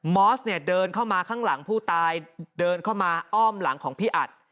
อสเนี่ยเดินเข้ามาข้างหลังผู้ตายเดินเข้ามาอ้อมหลังของพี่อัด